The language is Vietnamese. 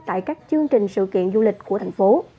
tại các chương trình sự kiện du lịch của thành phố